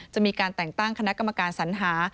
จะมีการแต่งตั้งคณะกรรมการสัญหา